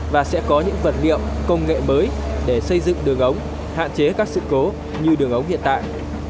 và sẽ có những vật liệu công nghệ mới để xây dựng đường ống hạn chế các sự cố như đường ống hiện tại